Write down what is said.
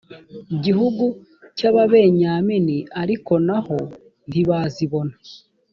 gihugu cy ababenyamini ariko na ho ntibazibona